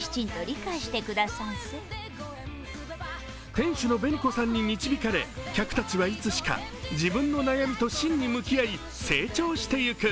店主の紅子さんに導かれ、客たちはいつしか自分の悩みと真に向き合い成長していく。